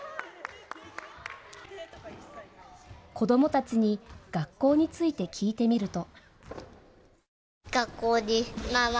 子どもたちに学校について聞いてみると。